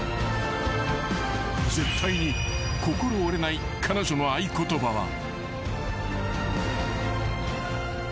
［絶対に心折れない彼女の合言葉は］